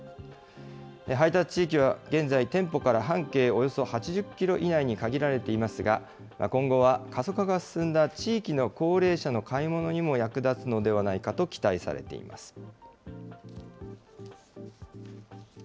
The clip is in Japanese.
配達地域は現在、店舗から半径およそ８０キロ以内に限られていますが、今後は過疎化が進んだ地域の高齢者の買い物にも役立つのではないかと期待されています。